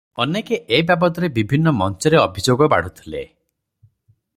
ଅନେକେ ଏ ବାବଦରେ ବିଭିନ୍ନ ମଞ୍ଚରେ ଅଭିଯୋଗ ବାଢୁଥିଲେ ।